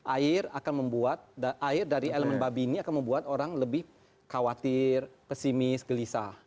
air akan membuat air dari elemen babi ini akan membuat orang lebih khawatir pesimis gelisah